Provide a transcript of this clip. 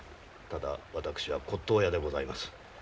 ただ私は骨董屋でございます。